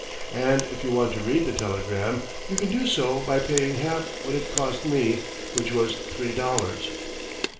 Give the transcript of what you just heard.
And if you want to read the telegram you can do so by paying half what it cost me, which was three dollars."